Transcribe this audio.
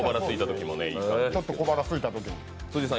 ちょっと小腹すいたときに。